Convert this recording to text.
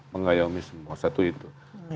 mengayomi semua satu itu